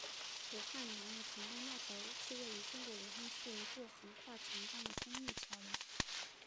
武汉阳逻长江大桥是位于中国武汉市的一座横跨长江的公路桥梁。